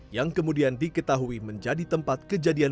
yang kemudian diketahui menjadi tempat kejadian